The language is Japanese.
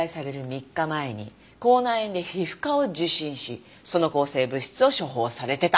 ３日前に口内炎で皮膚科を受診しその抗生物質を処方されてた。